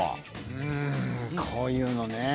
うんこういうのね。